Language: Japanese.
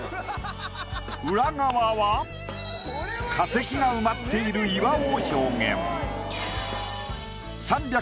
裏側は化石が埋まっている岩を表現。